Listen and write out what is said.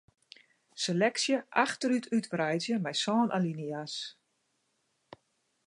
Seleksje achterút útwreidzje mei sân alinea's.